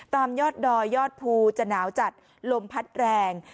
ตามยอดดอยยอดภูจะหนาวจัดลมพัดแรง